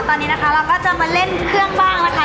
ตอนนี้นะคะเราก็จะมาเล่นเครื่องบ้างนะคะ